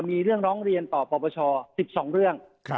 มีเรื่องร้องเรียนต่อปปช๑๒เรื่อง